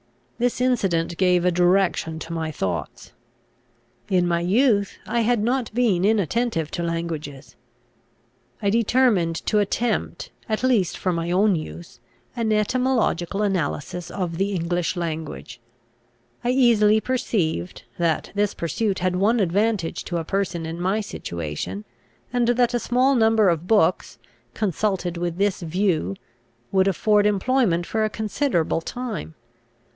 This incident gave a direction to my thoughts. In my youth I had not been inattentive to languages. I determined to attempt, at least for my own use, an etymological analysis of the English language. I easily perceived, that this pursuit had one advantage to a person in my situation, and that a small number of books, consulted with this view, would afford employment for a considerable time.